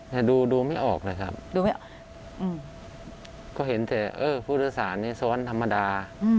แต่ดูไม่ออกเลยครับก็เห็นแต่ภูติศาสตร์นี่ซ้อนธรรมดา